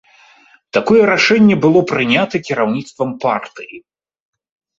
Такое рашэнне было прынята кіраўніцтвам партыі.